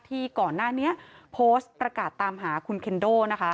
ที่ก่อนหน้านี้โพสต์ประกาศตามหาคุณเคนโดนะคะ